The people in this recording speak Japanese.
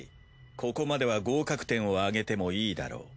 ここまでは合格点をあげてもいいだろう。